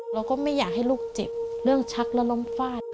เราก็ไม่อยากให้ลูกเจ็บเรื่องชักแล้วล้มฟาด